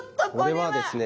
これはですね。